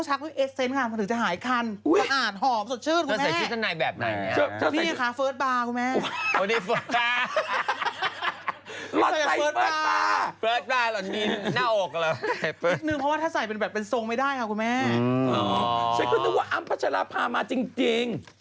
ฉันคิดถึงว่าอ้ำพจาราภามาจริง